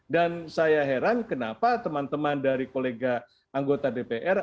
dan saya heran kenapa teman teman dari kolega anggota dpr